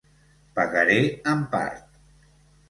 Pagaré en part.